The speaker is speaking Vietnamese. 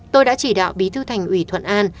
tôi đã chỉ đạo bí thư thành ủy thuận an